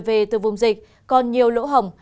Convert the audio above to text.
về từ vùng dịch còn nhiều lỗ hỏng